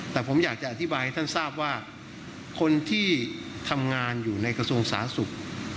แต่ผมอยากจะอธิบายให้ท่านทราบว่าคนที่ทำงานอยู่ในกระทรวงสาธารณสุข